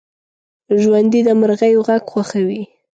ژوندي د مرغیو غږ خوښوي